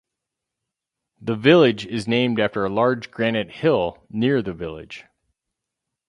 The village is named after a large granite hill near the village.